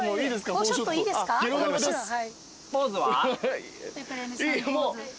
ポーズは？